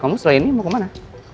kamu setelah ini mau kemana